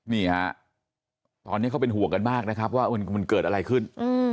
นี่ฮะตอนนี้เขาเป็นห่วงกันมากนะครับว่ามันเกิดอะไรขึ้น